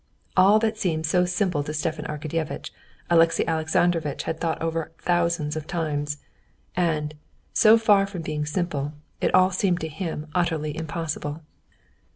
All that seemed so simple to Stepan Arkadyevitch, Alexey Alexandrovitch had thought over thousands of times. And, so far from being simple, it all seemed to him utterly impossible.